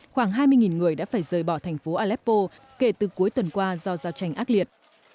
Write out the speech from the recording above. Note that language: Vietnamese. khoảng hai mươi người đã phải rời bỏ thành phố aleppo kể từ cuối tuần qua do giao tranh ác liệt